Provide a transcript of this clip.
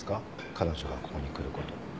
彼女がここに来ること。